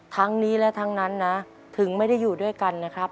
ทั้งนี้และทั้งนั้นนะถึงไม่ได้อยู่ด้วยกันนะครับ